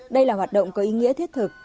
đây là hoạt động có ý nghĩa thiết thực